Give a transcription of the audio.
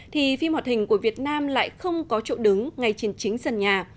thì phim hoạt hình của việt nam lại không có chỗ đứng ngay trên chính sân nhà